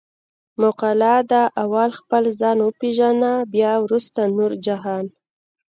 مقوله ده: اول خپل ځان و پېژنه بیا ورسته نور جهان.